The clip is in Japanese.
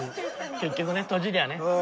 結局ねとじりゃね。